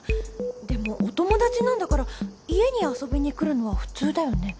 でもお友達なんだから家に遊びにくるのは普通だよね？